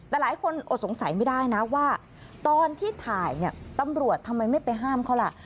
แต่หลายคนอดสงสัยไม่ได้นะว่าตอนที่ถ่ายเนี่ยตำรวจทำไมไม่ไปห้ามเขาล่ะ